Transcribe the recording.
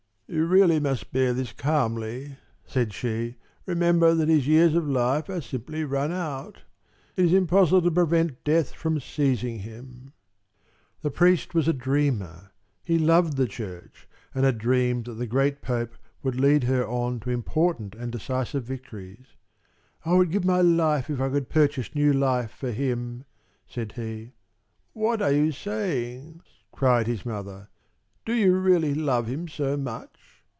"You really must bear this calmly," said she. "Remember that his years of life are simply run out. It is impossible to prevent death from seizing him." The priest was a dreamer. He loved the Church and had dreamed that the great Pope would lead her on to important and decisive victories. "I would give my life if I could purchase new life for him!" said he. "What are you saying?" cried his mother. "Do you really love him so much?